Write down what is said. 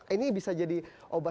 ini bisa jadi obat